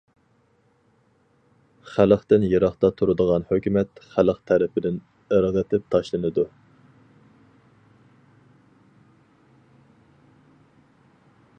خەلقتىن يىراقتا تۇرىدىغان ھۆكۈمەت خەلق تەرىپىدىن ئىرغىتىپ تاشلىنىدۇ.